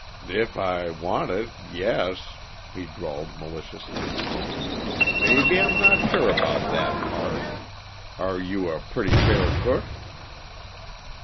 "If I want it yes," he drawled maliciously. "Maybe I'm not sure about that part. Are you a pretty fair cook?"